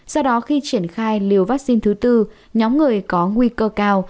do đó khi triển khai liều vaccine thứ tư nhóm người có nguy cơ cao